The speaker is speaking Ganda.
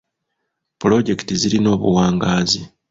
Puloojekiti zirina obuwangaazi.